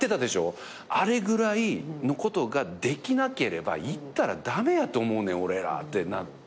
あれぐらいのことができなければ行ったら駄目やと思うねん俺らってなって。